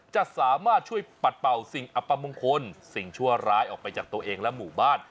จะสามารถช่วยปัดเป่าสิ่งอัปมงคลสิ่งชั่วร้ายออกไปจากตัวเองและหมู่บ้าน